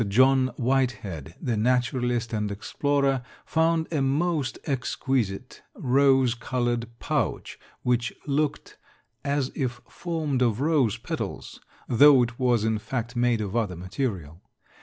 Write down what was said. John Whitehead, the naturalist and explorer, found a most exquisite rose colored pouch, which looked as if formed of rose petals, though it was in fact made of other material.